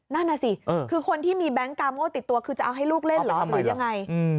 นั่นน่ะสิคือคนที่มีแบงค์กาโมติดตัวคือจะเอาให้ลูกเล่นเหรอหรือยังไง